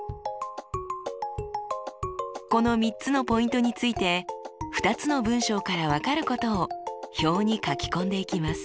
この３つのポイントについて２つの文章から分かることを表に書き込んでいきます。